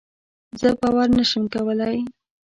زه باور نشم کولی.